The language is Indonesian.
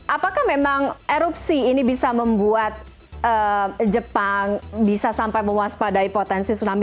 apakah memang erupsi ini bisa membuat jepang bisa sampai mewaspadai potensi tsunami